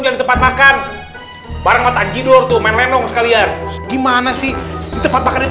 jadi tempat makan bareng mata tidur tuh main lenong sekalian gimana sih tepat makan itu